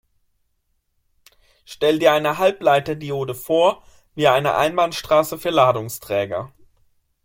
Stell dir eine Halbleiter-Diode vor wie eine Einbahnstraße für Ladungsträger.